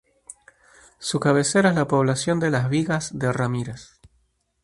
Su cabecera es la población de Las Vigas de Ramírez.